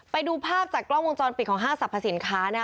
ไปดูภาพจากกล้องวงจรปิดของห้างสรรพสินค้านะคะ